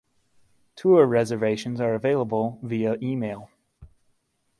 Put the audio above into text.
Tour reservations are available via email.